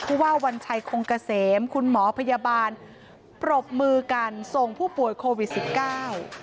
ผู้ว่าวัญชัยคงเกษมคุณหมอพยาบาลปรบมือกันส่งผู้ป่วยโควิดสิบเก้า